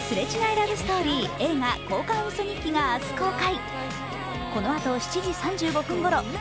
ラブストーリー映画「交換ウソ日記」が明日公開。